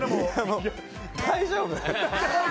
大丈夫？